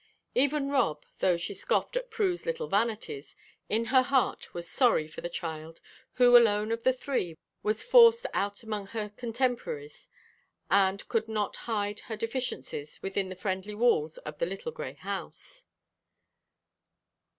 Even Rob, though she scoffed at Prue's little vanities, in her heart was sorry for the child who alone of the three was forced out among her contemporaries, and could not hide her deficiencies within the friendly walls of the little grey house.